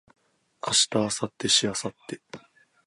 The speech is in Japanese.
明日明後日しあさって